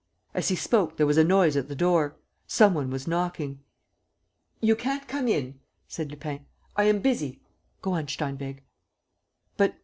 As he spoke there was a noise at the door. Some one was knocking. "You can't come in," said Lupin. "I am busy. ... Go on, Steinweg." "But .